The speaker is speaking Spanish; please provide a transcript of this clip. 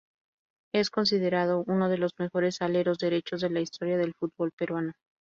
Es considerado uno de los mejores aleros derechos de la historia del fútbol peruano.